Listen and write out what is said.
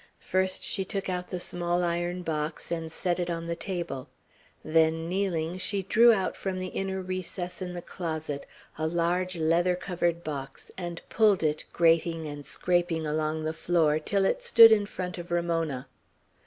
First she took out the small iron box, and set it on a table. Then, kneeling, she drew out from an inner recess in the closet a large leather covered box, and pulled it, grating and scraping along the floor, till it stood in front of Ramona.